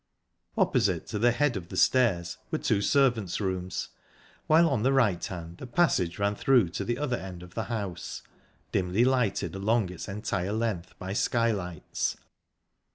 Opposite to the head of the stairs were two servants' rooms, while on the right hand a passage ran through to the other end of the house, dimly lighted along its entire length by skylights.